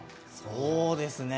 そうですね。